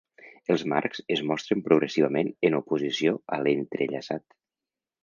Els marcs es mostren progressivament en oposició a entrellaçat.